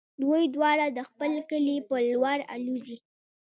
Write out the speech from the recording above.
دوی دواړه د خپل کلي په لور الوزي.